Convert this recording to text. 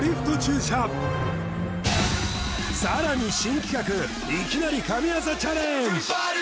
更に新企画いきなり神業チャレンジ